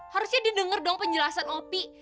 harusnya didengar dong penjelasan opi